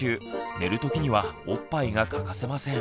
寝るときにはおっぱいが欠かせません。